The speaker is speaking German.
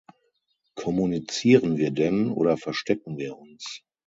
Kommunizieren wir denn oder verstecken wir uns?